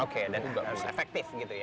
oke dan harus efektif gitu ya